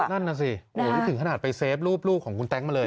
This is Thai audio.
นั่นน่ะสินี่ถึงขนาดไปเซฟรูปลูกของคุณแต๊งมาเลย